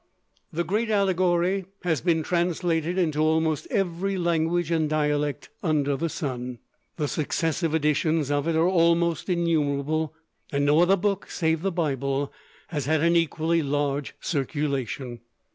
The great allegory has been translated into almost every language and dialect under the sun. The successive editions of it are almost innumerable; and no other book save the Bible has had an equally large circulation.